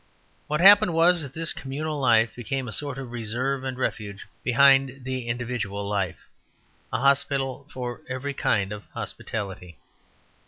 What happened was that this communal life became a sort of reserve and refuge behind the individual life; a hospital for every kind of hospitality.